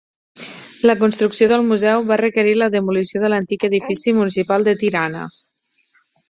La construcció del museu va requerir la demolició de l'antic edifici municipal de Tirana.